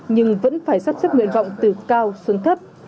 nhưng vẫn phải sắp xếp nguyện vọng từ cao xuống thấp